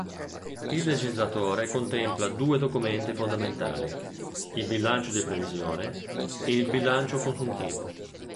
Il legislatore contempla due documenti fondamentali, il "bilancio di previsione" e il "bilancio consuntivo".